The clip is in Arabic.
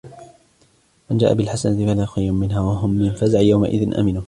مَنْ جَاءَ بِالْحَسَنَةِ فَلَهُ خَيْرٌ مِنْهَا وَهُمْ مِنْ فَزَعٍ يَوْمَئِذٍ آمِنُونَ